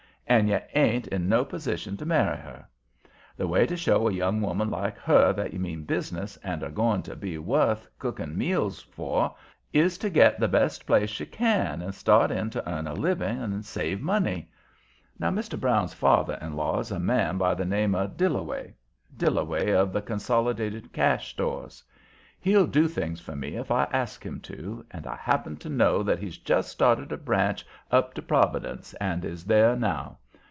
And you ain't in no position to marry her. The way to show a young woman like her that you mean business and are going to be wuth cooking meals for is to get the best place you can and start in to earn a living and save money. Now, Mr. Brown's father in law is a man by the name of Dillaway, Dillaway of the Consolidated Cash Stores. He'll do things for me if I ask him to, and I happen to know that he's just started a branch up to Providence and is there now.